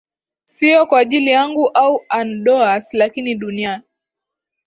Siyo kwa ajili yangu au Andoas lakini dunia